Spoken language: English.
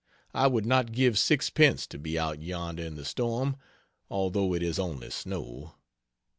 I would not give sixpence to be out yonder in the storm, although it is only snow.